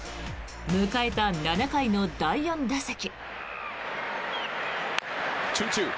迎えた７回の第４打席。